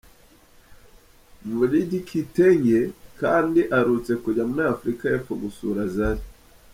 Maulid Kitenge kandi aherutse kujya muri Afurika y’Epfo gusura Zari.